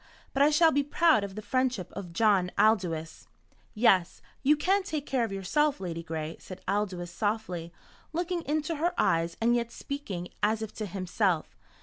But I shall be proud of the friendship of John Aldous." "Yes, you can take care of yourself, Ladygray," said Aldous softly, looking into her eyes and yet speaking as if to himself.